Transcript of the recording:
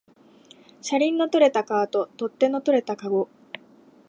車輪の取れたカート、取っ手の取れたかご